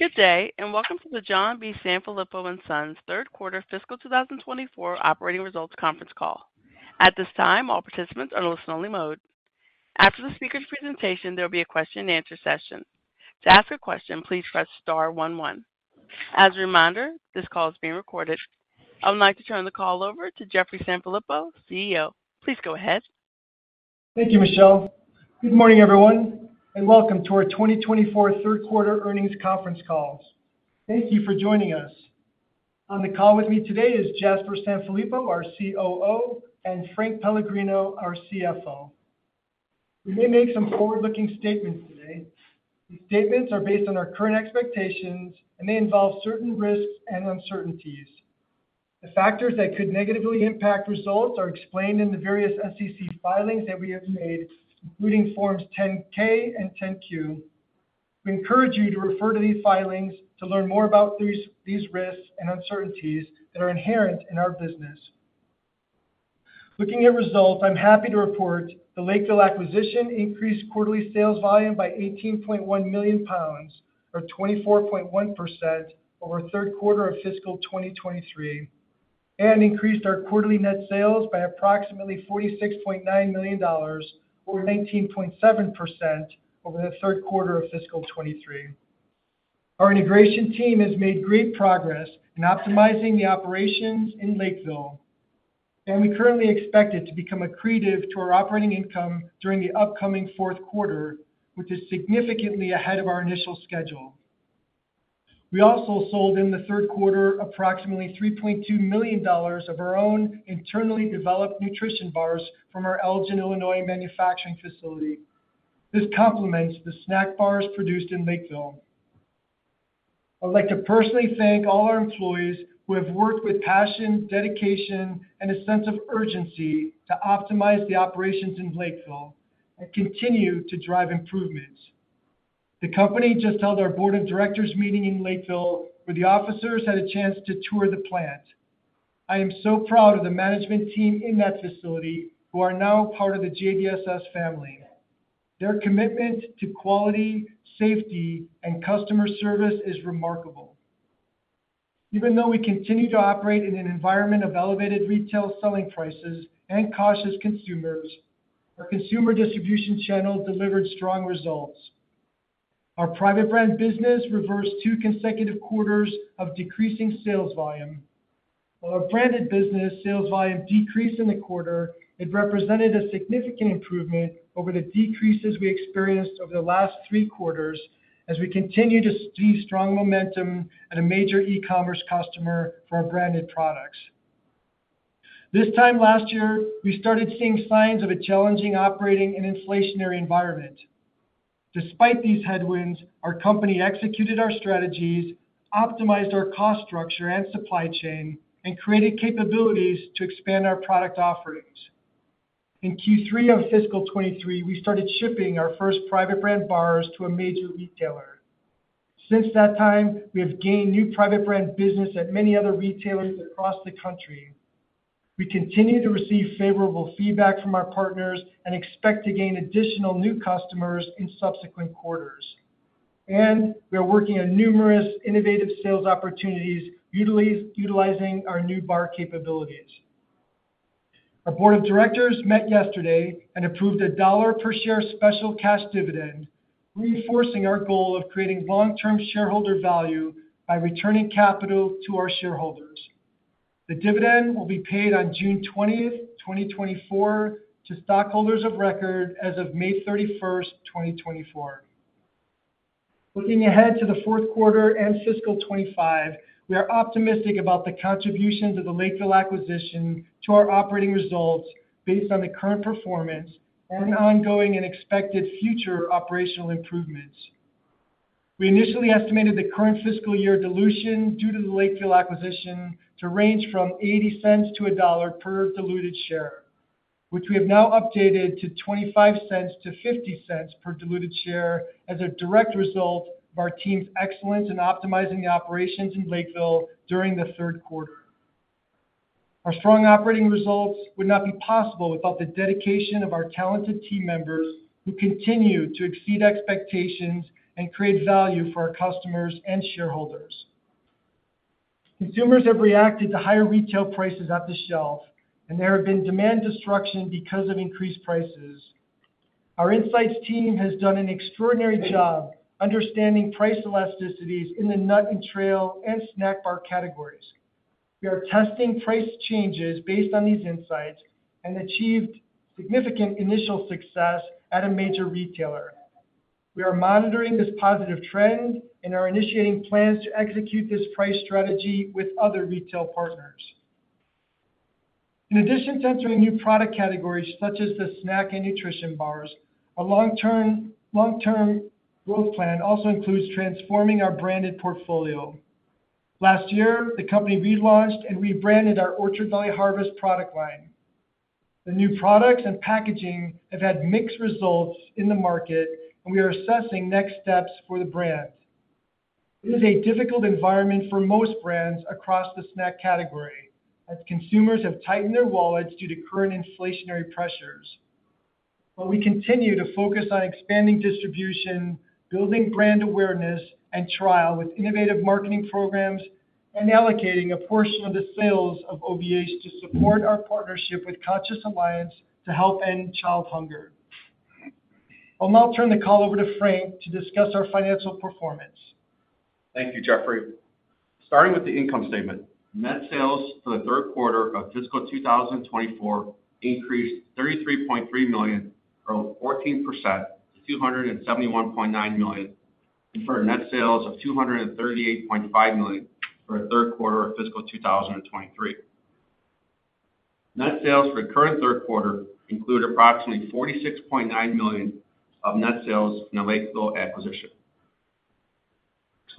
Good day and welcome to the John B. Sanfilippo & Son's Q3 Fiscal 2024 Operating Results Conference Call. At this time, all participants are in listen-only mode. After the speaker's presentation, there will be a question-and-answer session. To ask a question, please press star one one. As a reminder, this call is being recorded. I would like to turn the call over to Jeffrey Sanfilippo, CEO. Please go ahead. Thank you, Michelle. Good morning, everyone, and welcome to our 2024 Q3 Earnings Conference Call. Thank you for joining us. On the call with me today is Jasper Sanfilippo, our COO, and Frank Pellegrino, our CFO. We may make some forward-looking statements today. These statements are based on our current expectations, and they involve certain risks and uncertainties. The factors that could negatively impact results are explained in the various SEC filings that we have made, including Forms 10-K and 10-Q. We encourage you to refer to these filings to learn more about these risks and uncertainties that are inherent in our business. Looking at results, I'm happy to report the Lakeville acquisition increased quarterly sales volume by $18.1 million, or 24.1%, over Q3 of fiscal 2023, and increased our quarterly net sales by approximately $46.9 million, or 19.7%, over the Q3 of fiscal 2023. Our integration team has made great progress in optimizing the operations in Lakeville, and we currently expect it to become accretive to our operating income during the upcoming Q4, which is significantly ahead of our initial schedule. We also sold in the Q3 approximately $3.2 million of our own internally developed nutrition bars from our Elgin, Illinois, manufacturing facility. This complements the snack bars produced in Lakeville. I'd like to personally thank all our employees who have worked with passion, dedication, and a sense of urgency to optimize the operations in Lakeville and continue to drive improvements. The company just held our board of directors meeting in Lakeville, where the officers had a chance to tour the plant. I am so proud of the management team in that facility, who are now part of the JBSS family. Their commitment to quality, safety, and customer service is remarkable. Even though we continue to operate in an environment of elevated retail selling prices and cautious consumers, our consumer distribution channel delivered strong results. Our private brand business reversed two consecutive quarters of decreasing sales volume. While our branded business sales volume decreased in the quarter, it represented a significant improvement over the decreases we experienced over the last three quarters as we continue to see strong momentum at a major e-commerce customer for our branded products. This time last year, we started seeing signs of a challenging operating and inflationary environment. Despite these headwinds, our company executed our strategies, optimized our cost structure and supply chain, and created capabilities to expand our product offerings. In Q3 of fiscal 2023, we started shipping our first private brand bars to a major retailer. Since that time, we have gained new private brand business at many other retailers across the country. We continue to receive favorable feedback from our partners and expect to gain additional new customers in subsequent quarters, and we are working on numerous innovative sales opportunities utilizing our new bar capabilities. Our board of directors met yesterday and approved a $1-per-share special cash dividend, reinforcing our goal of creating long-term shareholder value by returning capital to our shareholders. The dividend will be paid on June 20th, 2024, to stockholders of record as of May 31st, 2024. Looking ahead to the Q4 and fiscal 2025, we are optimistic about the contributions of the Lakeville acquisition to our operating results based on the current performance and ongoing and expected future operational improvements. We initially estimated the current fiscal year dilution due to the Lakeville acquisition to range from $0.80-$1 per diluted share, which we have now updated to $0.25-$0.50 per diluted share as a direct result of our team's excellence in optimizing the operations in Lakeville during the Q3. Our strong operating results would not be possible without the dedication of our talented team members who continue to exceed expectations and create value for our customers and shareholders. Consumers have reacted to higher retail prices off the shelf, and there has been demand destruction because of increased prices. Our insights team has done an extraordinary job understanding price elasticities in the nut and trail and snack bar categories. We are testing price changes based on these insights and achieved significant initial success at a major retailer. We are monitoring this positive trend and are initiating plans to execute this price strategy with other retail partners. In addition to entering new product categories such as the snack and nutrition bars, our long-term growth plan also includes transforming our branded portfolio. Last year, the company relaunched and rebranded our Orchard Valley Harvest product line. The new products and packaging have had mixed results in the market, and we are assessing next steps for the brand. It is a difficult environment for most brands across the snack category as consumers have tightened their wallets due to current inflationary pressures. But we continue to focus on expanding distribution, building brand awareness, and trial with innovative marketing programs, and allocating a portion of the sales of OVH to support our partnership with Conscious Alliance to help end child hunger. I'll now turn the call over to Frank to discuss our financial performance. Thank you, Jeffrey. Starting with the income statement, net sales for the Q3 of fiscal 2024 increased $33.3 million, or 14%, to $271.9 million, and for net sales of $238.5 million for the Q3 of fiscal 2023. Net sales for the current Q3 include approximately $46.9 million of net sales from the Lakeville acquisition.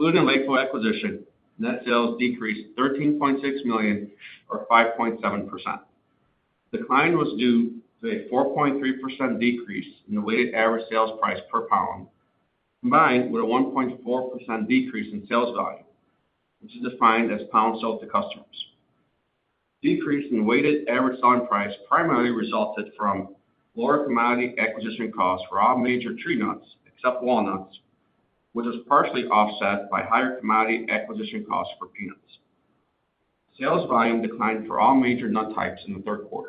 Excluding the Lakeville acquisition, net sales decreased $13.6 million, or 5.7%. The decline was due to a 4.3% decrease in the weighted average sales price per pound, combined with a 1.4% decrease in sales value, which is defined as pounds sold to customers. The decrease in the weighted average selling price primarily resulted from lower commodity acquisition costs for all major tree nuts except walnuts, which was partially offset by higher commodity acquisition costs for peanuts. Sales volume declined for all major nut types in the Q3.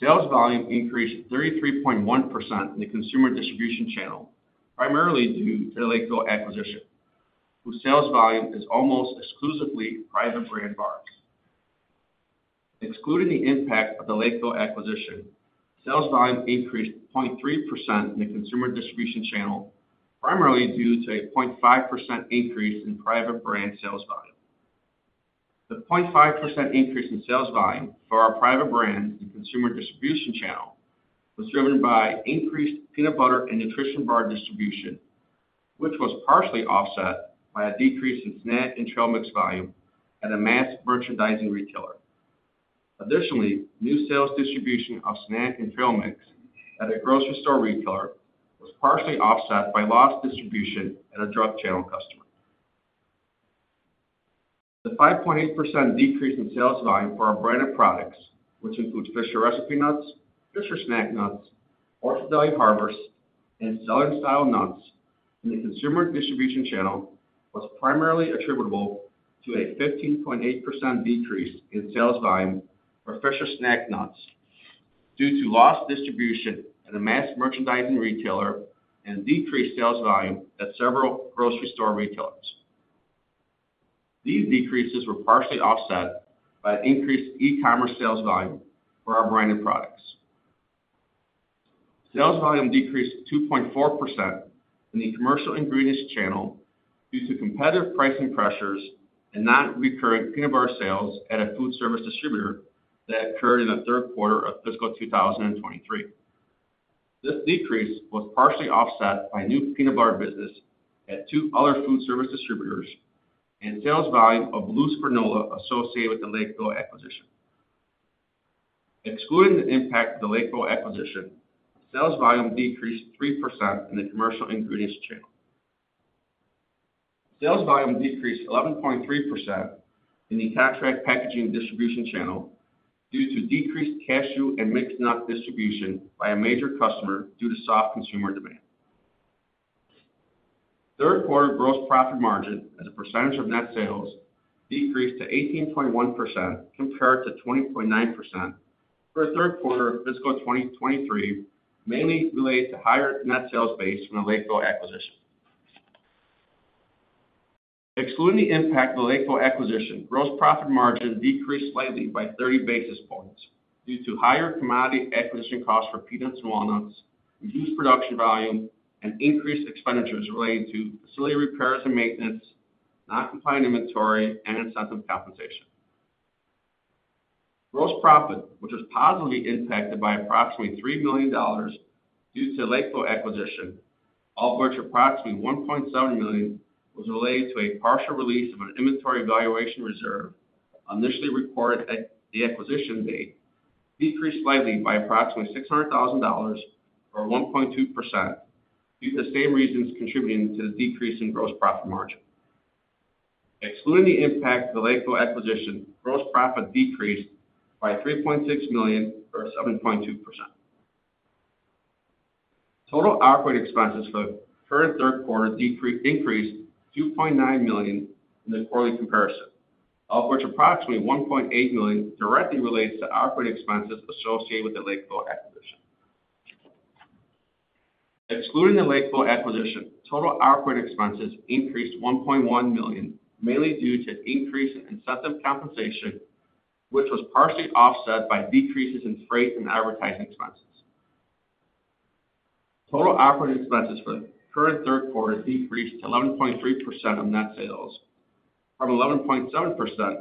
Sales volume increased 33.1% in the consumer distribution channel, primarily due to the Lakeville acquisition, whose sales volume is almost exclusively private brand bars. Excluding the impact of the Lakeville acquisition, sales volume increased 0.3% in the consumer distribution channel, primarily due to a 0.5% increase in private brand sales volume. The 0.5% increase in sales volume for our private brands in the consumer distribution channel was driven by increased peanut butter and nutrition bar distribution, which was partially offset by a decrease in snack and trail mix volume at a mass merchandising retailer. Additionally, new sales distribution of snack and trail mix at a grocery store retailer was partially offset by lost distribution at a drug channel customer. The 5.8% decrease in sales volume for our branded products, which includes Fisher Recipe Nuts, Fisher Snack Nuts, Orchard Valley Harvest, and Southern Style Nuts in the consumer distribution channel, was primarily attributable to a 15.8% decrease in sales volume for Fisher Snack Nuts due to lost distribution at a mass merchandising retailer and decreased sales volume at several grocery store retailers. These decreases were partially offset by an increased e-commerce sales volume for our branded products. Sales volume decreased 2.4% in the commercial ingredients channel due to competitive pricing pressures and non-recurrent peanut butter sales at a food service distributor that occurred in the Q3 of fiscal 2023. This decrease was partially offset by new peanut butter business at two other food service distributors and sales volume of loose granola associated with the Lakeville acquisition. Excluding the impact of the Lakeville acquisition, sales volume decreased 3% in the commercial ingredients channel. Sales volume decreased 11.3% in the Contract Packaging distribution channel due to decreased cashew and mixed nut distribution by a major customer due to soft consumer demand. Q3 gross profit margin, as a percentage of net sales, decreased to 18.1% compared to 20.9% for the Q3 of fiscal 2023, mainly related to higher net sales base from the Lakeville acquisition. Excluding the impact of the Lakeville acquisition, gross profit margin decreased slightly by 30 basis points due to higher commodity acquisition costs for peanuts and walnuts, reduced production volume, and increased expenditures related to facility repairs and maintenance, non-compliant inventory, and incentive compensation. Gross profit, which was positively impacted by approximately $3 million due to the Lakeville acquisition, of which approximately $1.7 million was related to a partial release of an inventory valuation reserve initially recorded at the acquisition date, decreased slightly by approximately $600,000, or 1.2%, due to the same reasons contributing to the decrease in gross profit margin. Excluding the impact of the Lakeville acquisition, gross profit decreased by $3.6 million, or 7.2%. Total operating expenses for the current Q3 increased $2.9 million in the quarterly comparison, of which approximately $1.8 million directly relates to operating expenses associated with the Lakeville acquisition. Excluding the Lakeville acquisition, total operating expenses increased $1.1 million, mainly due to an increase in incentive compensation, which was partially offset by decreases in freight and advertising expenses. Total operating expenses for the current Q3 decreased to 11.3% of net sales, from 11.7%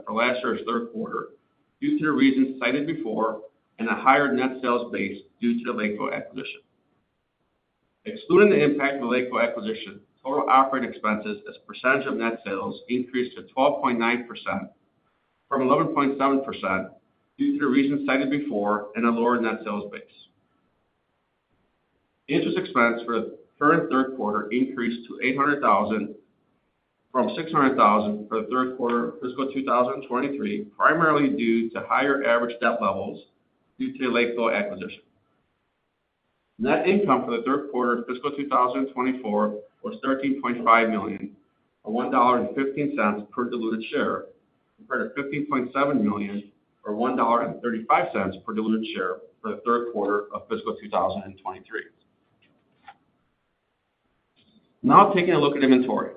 for last year's Q3 due to the reasons cited before and a higher net sales base due to the Lakeville acquisition. Excluding the impact of the Lakeville acquisition, total operating expenses, as a percentage of net sales, increased to 12.9%, from 11.7% due to the reasons cited before and a lower net sales base. Interest expense for the current Q3 increased to $800,000, from $600,000 for the Q3 of fiscal 2023, primarily due to higher average debt levels due to the Lakeville acquisition. Net income for the Q3 of fiscal 2024 was $13.5 million, or $1.15 per diluted share, compared to $15.7 million, or $1.35 per diluted share for the Q3 of fiscal 2023. Now taking a look at inventory,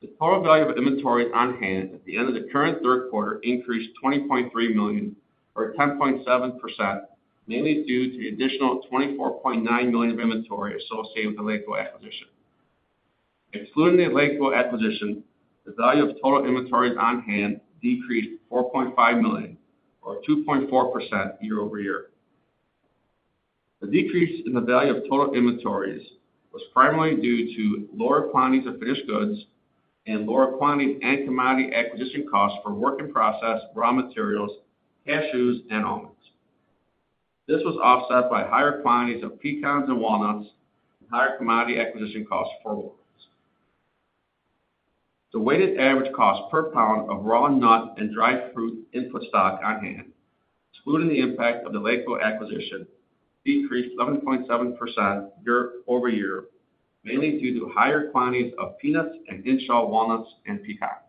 the total value of inventories on hand at the end of the current Q3 increased $20.3 million, or 10.7%, mainly due to the additional $24.9 million of inventory associated with the Lakeville acquisition. Excluding the Lakeville acquisition, the value of total inventories on hand decreased $4.5 million, or 2.4% year-over-year. The decrease in the value of total inventories was primarily due to lower quantities of finished goods and lower quantities and commodity acquisition costs for work-in-process raw materials, cashews, and almonds. This was offset by higher quantities of pecans and walnuts and higher commodity acquisition costs for walnuts. The weighted average cost per pound of raw nut and dried fruit input stock on hand, excluding the impact of the Lakeville acquisition, decreased 11.7% year-over-year, mainly due to higher quantities of peanuts and in-shell walnuts and pecans.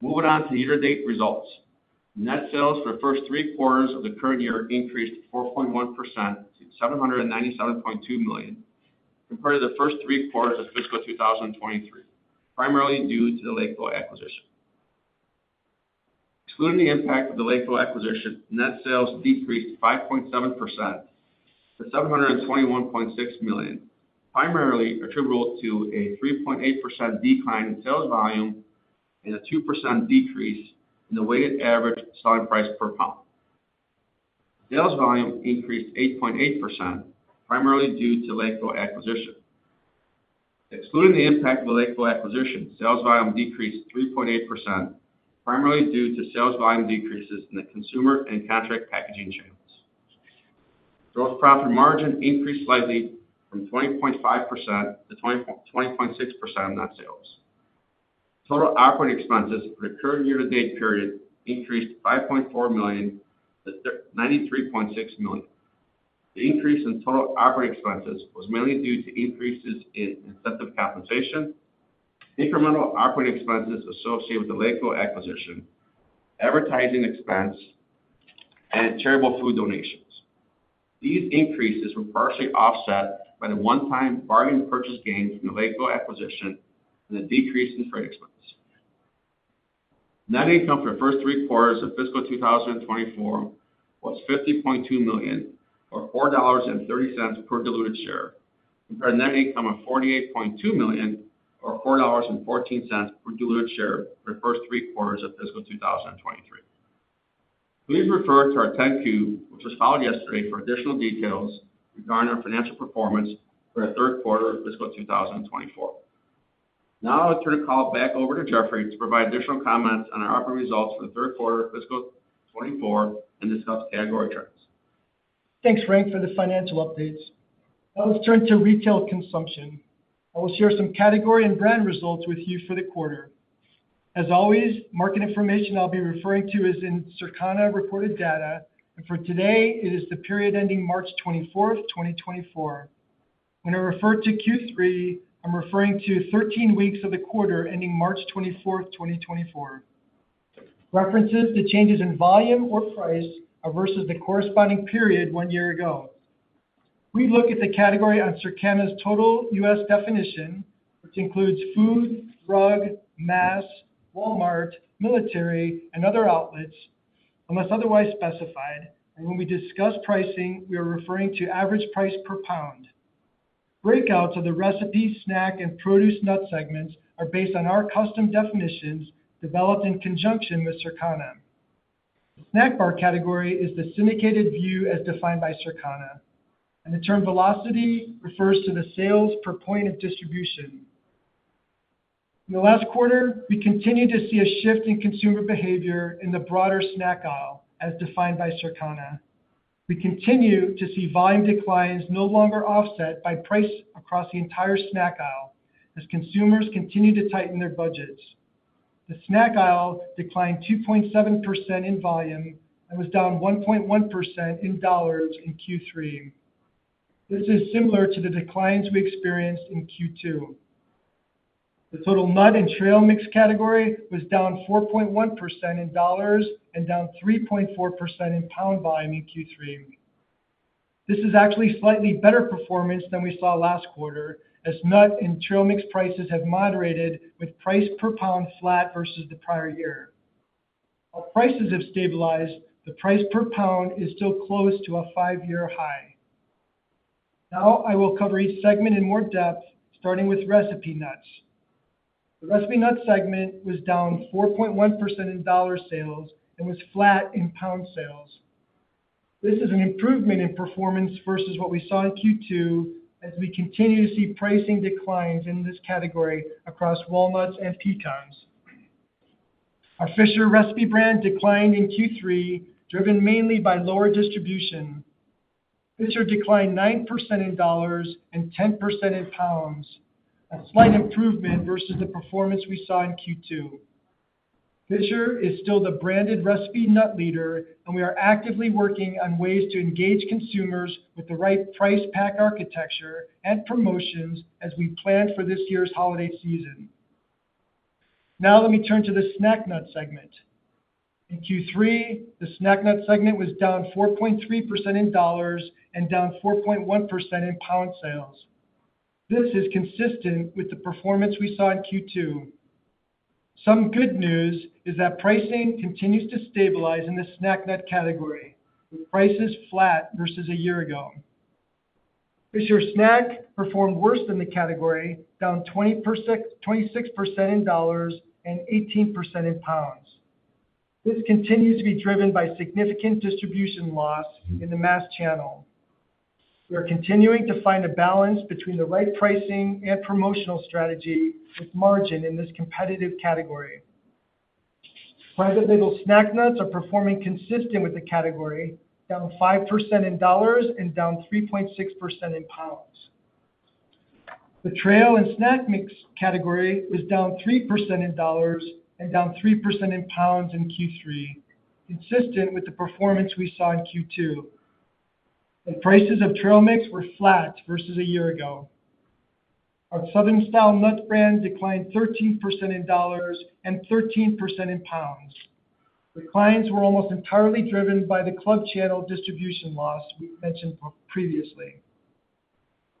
Moving on to year-to-date results, net sales for the first three quarters of the current year increased 4.1% to $797.2 million, compared to the first three quarters of fiscal 2023, primarily due to the Lakeville acquisition. Excluding the impact of the Lakeville acquisition, net sales decreased 5.7% to $721.6 million, primarily attributable to a 3.8% decline in sales volume and a 2% decrease in the weighted average selling price per pound. Sales volume increased 8.8%, primarily due to the Lakeville acquisition. Excluding the impact of the Lakeville acquisition, sales volume decreased 3.8%, primarily due to sales volume decreases in the consumer and contract packaging channels. Gross profit margin increased slightly from 20.5% to 20.6% of net sales. Total operating expenses for the current year-to-date period increased $5.4 million to $93.6 million. The increase in total operating expenses was mainly due to increases in incentive compensation, incremental operating expenses associated with the Lakeville acquisition, advertising expense, and charitable food donations. These increases were partially offset by the one-time bargain purchase gain from the Lakeville acquisition and the decrease in freight expense. Net income for the first three quarters of fiscal 2024 was $50.2 million, or $4.30 per diluted share, compared to net income of $48.2 million, or $4.14 per diluted share for the first three quarters of fiscal 2023. Please refer to our 10-Q, which was filed yesterday for additional details regarding our financial performance for the Q3 of fiscal 2024. Now I'll turn the call back over to Jeffrey to provide additional comments on our operating results for the Q3 of fiscal 2024 and discuss category trends. Thanks, Frank, for the financial updates. Now let's turn to retail consumption. I will share some category and brand results with you for the quarter. As always, market information I'll be referring to is in Circana reported data, and for today it is the period ending March 24th, 2024. When I refer to Q3, I'm referring to 13 weeks of the quarter ending March 24th, 2024. References to changes in volume or price are versus the corresponding period one year ago. We'd look at the category on Circana's total US definition, which includes food, drug, mass, Walmart, military, and other outlets, unless otherwise specified, and when we discuss pricing we are referring to average price per pound. Breakouts of the recipe, snack, and produce nut segments are based on our custom definitions developed in conjunction with Circana. The snack bar category is the syndicated view as defined by Circana, and the term velocity refers to the sales per point of distribution. In the last quarter, we continued to see a shift in consumer behavior in the broader snack aisle as defined by Circana. We continue to see volume declines no longer offset by price across the entire snack aisle as consumers continue to tighten their budgets. The snack aisle declined 2.7% in volume and was down 1.1% in dollars in Q3. This is similar to the declines we experienced in Q2. The total nut and trail mix category was down 4.1% in dollars and down 3.4% in pound volume in Q3. This is actually slightly better performance than we saw last quarter as nut and trail mix prices have moderated with price per pound flat versus the prior year. While prices have stabilized, the price per pound is still close to a five-year high. Now I will cover each segment in more depth, starting with recipe nuts. The recipe nut segment was down 4.1% in dollar sales and was flat in pound sales. This is an improvement in performance versus what we saw in Q2 as we continue to see pricing declines in this category across walnuts and pecans. Our Fisher Recipe brand declined in Q3, driven mainly by lower distribution. Fisher declined 9% in dollars and 10% in pounds, a slight improvement versus the performance we saw in Q2. Fisher is still the branded recipe nut leader, and we are actively working on ways to engage consumers with the right Price Pack Architecture and promotions as we plan for this year's holiday season. Now let me turn to the snack nut segment. In Q3, the snack nut segment was down 4.3% in dollars and down 4.1% in pound sales. This is consistent with the performance we saw in Q2. Some good news is that pricing continues to stabilize in the snack nut category, with prices flat versus a year ago. Fisher Snack performed worse than the category, down 26% in dollars and 18% in pounds. This continues to be driven by significant distribution loss in the mass channel. We are continuing to find a balance between the right pricing and promotional strategy with margin in this competitive category. Private label snack nuts are performing consistent with the category, down 5% in dollars and down 3.6% in pounds. The trail and snack mix category was down 3% in dollars and down 3% in pounds in Q3, consistent with the performance we saw in Q2, and prices of trail mix were flat versus a year ago. Our Southern Style nut brand declined 13% in dollars and 13% in pounds. Declines were almost entirely driven by the club channel distribution loss we mentioned previously.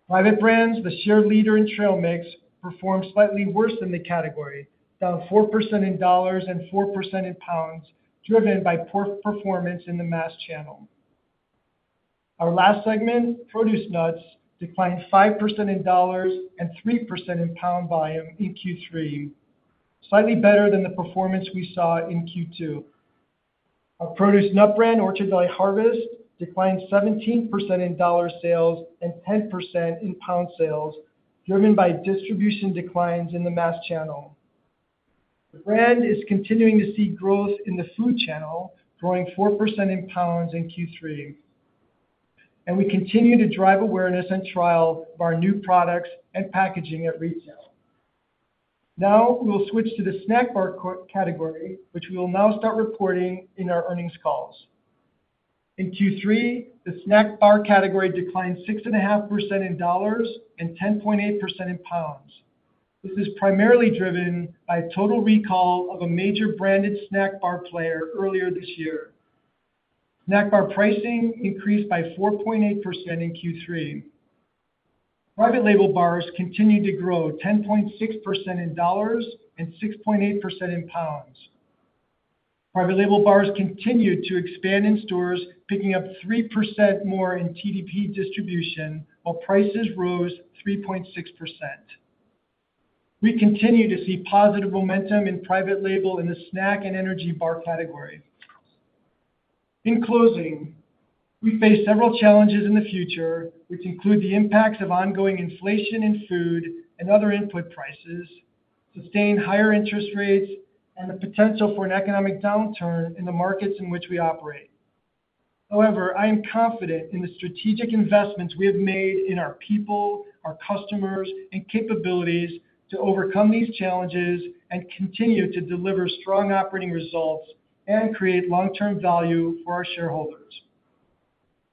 Private brands, the share leader in trail mix, performed slightly worse than the category, down 4% in dollars and 4% in pounds, driven by poor performance in the mass channel. Our last segment, produce nuts, declined 5% in dollars and 3% in pound volume in Q3, slightly better than the performance we saw in Q2. Our produce nut brand, Orchard Valley Harvest, declined 17% in dollar sales and 10% in pound sales, driven by distribution declines in the mass channel. The brand is continuing to see growth in the food channel, growing 4% in pounds in Q3, and we continue to drive awareness and trial of our new products and packaging at retail. Now we will switch to the snack bar category, which we will now start reporting in our earnings calls. In Q3, the snack bar category declined 6.5% in dollars and 10.8% in pounds. This is primarily driven by a total recall of a major branded snack bar player earlier this year. Snack bar pricing increased by 4.8% in Q3. Private label bars continued to grow 10.6% in dollars and 6.8% in pounds. Private label bars continued to expand in stores, picking up 3% more in TDP distribution, while prices rose 3.6%. We continue to see positive momentum in private label in the snack and energy bar category. In closing, we face several challenges in the future, which include the impacts of ongoing inflation in food and other input prices, sustained higher interest rates, and the potential for an economic downturn in the markets in which we operate. However, I am confident in the strategic investments we have made in our people, our customers, and capabilities to overcome these challenges and continue to deliver strong operating results and create long-term value for our shareholders.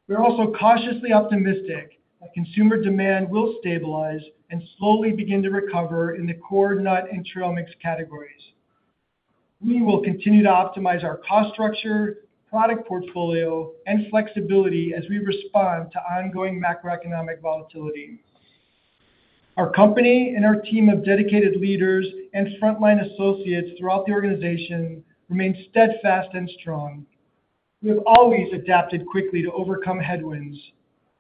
We are also cautiously optimistic that consumer demand will stabilize and slowly begin to recover in the core nut and trail mix categories. We will continue to optimize our cost structure, product portfolio, and flexibility as we respond to ongoing macroeconomic volatility. Our company and our team of dedicated leaders and frontline associates throughout the organization remain steadfast and strong. We have always adapted quickly to overcome headwinds.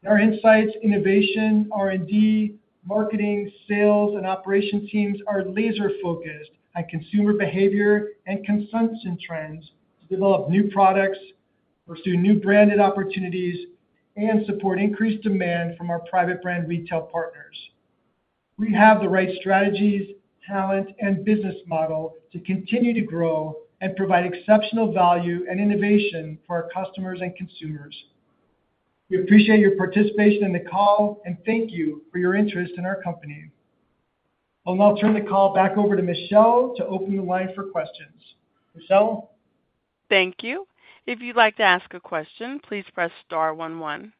Our insights, innovation, R&D, marketing, sales, and operations teams are laser-focused on consumer behavior and consumption trends to develop new products, pursue new branded opportunities, and support increased demand from our private brand retail partners. We have the right strategies, talent, and business model to continue to grow and provide exceptional value and innovation for our customers and consumers. We appreciate your participation in the call, and thank you for your interest in our company. I'll now turn the call back over to Michelle to open the line for questions. Michelle? Thank you. If you'd like to ask a question, please press star one one.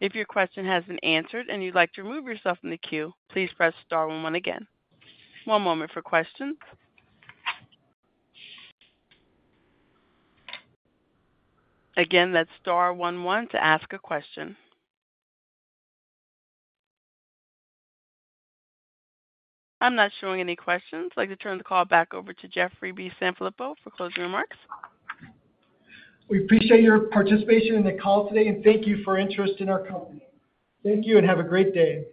If your question has been answered and you'd like to remove yourself from the queue, please press star one one again. One moment for questions. Again, that's star one one to ask a question. I'm not showing any questions. I'd like to turn the call back over to Jeffrey T. Sanfilippo for closing remarks. We appreciate your participation in the call today, and thank you for interest in our company. Thank you, and have a great day.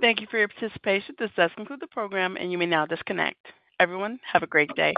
Thank you for your participation. This does conclude the program, and you may now disconnect. Everyone, have a great day.